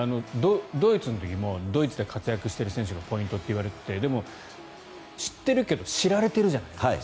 ドイツの時もドイツで活躍している選手がポイントといわれていてでも、知ってるけど知られてるじゃないですか。